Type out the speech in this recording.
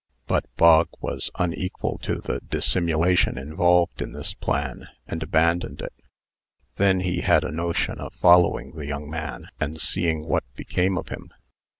But Bog was unequal to the dissimulation involved in this plan, and abandoned it. Then he had a notion of following the young man, and seeing what became of him.